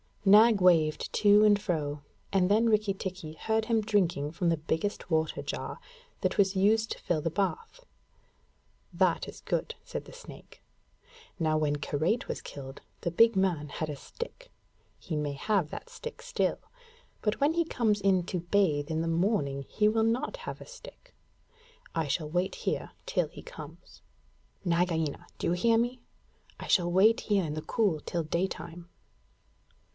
Nag waved to and fro, and then Rikki tikki heard him drinking from the biggest water jar that was used to fill the bath. 'That is good,' said the snake. 'Now, when Karait was killed, the big man had a stick. He may have that stick still, but when he comes in to bathe in the morning he will not have a stick. I shall wait here till he comes. Nagaina do you hear me? I shall wait here in the cool till daytime.'